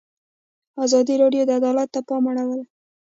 ازادي راډیو د عدالت ته پام اړولی.